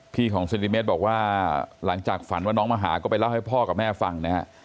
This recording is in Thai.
ของเซนติเมตรบอกว่าหลังจากฝันว่าน้องมาหาก็ไปเล่าให้พ่อกับแม่ฟังนะฮะ